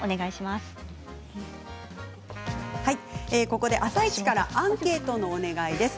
ここで「あさイチ」からアンケートのお願いです。